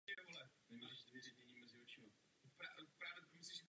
Muži postupně umírali.